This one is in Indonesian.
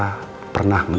pengurangan waktu tahanan